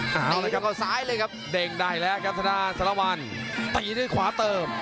ตีด้วยเขาซ้ายเลยครับเด้งได้แล้วครับสถานาสละวันตีด้วยขวาเติม